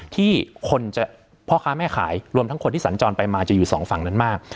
ที่คนจะพ่อค้าแม่ขายรวมทั้งคนที่สัญจรไปมาจะอยู่สองฝั่งนั้นมาก